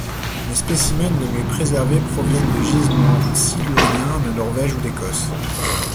Les spécimens les mieux préservés proviennent de gisements siluriens de Norvège ou d'Écosse.